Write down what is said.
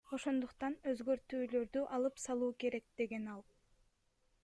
Ошондуктан өзгөртүүлөрдү алып салуу керек, — деген ал.